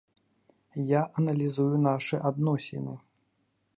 Я аналізую нашы адносіны.